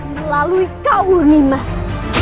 melalui kau nimas